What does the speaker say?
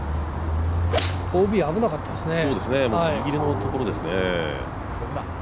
ＯＢ、危なかったですね。